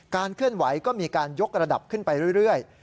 เคลื่อนไหวก็มีการยกระดับขึ้นไปเรื่อย